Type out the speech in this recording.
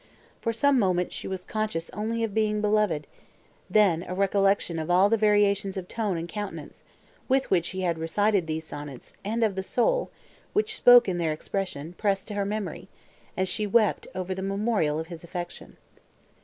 For some moments she was conscious only of being beloved; then, a recollection of all the variations of tone and countenance, with which he had recited these sonnets, and of the soul, which spoke in their expression, pressed to her memory, and she wept over the memorial of his affection.